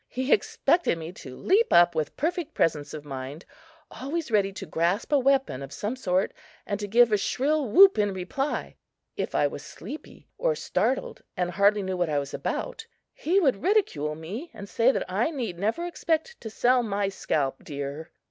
He expected me to leap up with perfect presence of mind, always ready to grasp a weapon of some sort and to give a shrill whoop in reply. If I was sleepy or startled and hardly knew what I was about, he would ridicule me and say that I need never expect to sell my scalp dear.